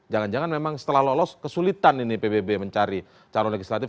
jangan jangan memang setelah lolos kesulitan ini pbb mencari calon legislatif